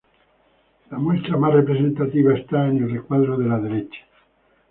La muestra más representativa está en el recuadro de la derecha.